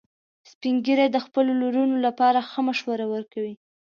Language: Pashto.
سپین ږیری د خپلو لورونو لپاره ښه مشوره ورکوي